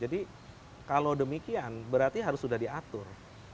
jadi kalau demikian berarti harus sudah diatur